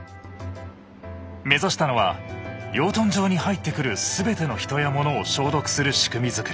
目指したのは養豚場に入ってくる全ての人や物を消毒する仕組みづくり。